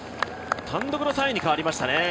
単独の３位に変わりましたね。